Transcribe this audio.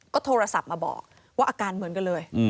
ก็โทรศัพท์มาบอกว่าอาการเหมือนกันเลย